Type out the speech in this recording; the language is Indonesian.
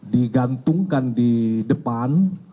digantungkan di depan